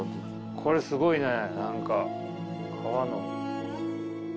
これすごいね何か革の。